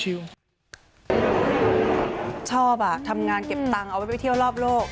ชอบอ่ะทำงานเก็บตังค์เอาไว้ไปเที่ยวรอบโลก